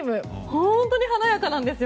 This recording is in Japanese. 本当に華やかなんですよ